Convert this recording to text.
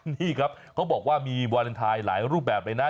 นี่ครับเขาบอกว่ามีวาเลนไทยหลายรูปแบบเลยนะ